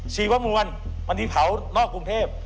ชีวมวลวันที่เผานอกกรุงเทพ